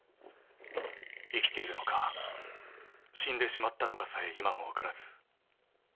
生きているのか死んでしまったのかさえ今もわからず。